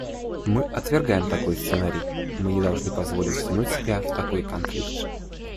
Мы отвергаем такой сценарий; мы не должны позволить втянуть себя в такой конфликт.